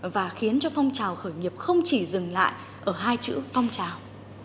và khiến cho phong trào khởi nghiệp không chỉ dừng lại ở hai chữ phong trào